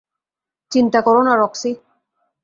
চিন্তা কোরো না, রক্সি।